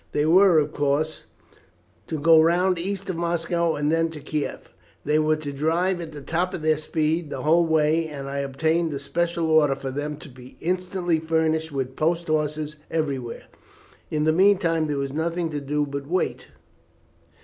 They were, of course, to go round east of Moscow and then to Kieff. They were to drive at the top of their speed the whole way, and I obtained a special order for them to be instantly furnished with post horses everywhere. In the meantime there was nothing to do but to wait.